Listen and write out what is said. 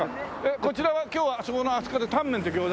こちらは今日はそこのあそこでタンメンと餃子？